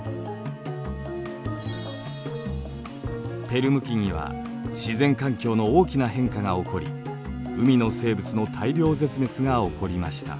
ペルム紀には自然環境の大きな変化が起こり海の生物の大量絶滅が起こりました。